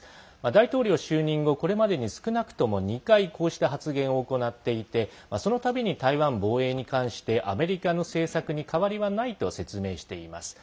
大統領就任後これまでに少なくとも２回こうした発言を行っていてそのたびに台湾防衛に関してアメリカの政策に変わりはないと説明しています。